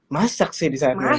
masak sih di saat ngabu burit sih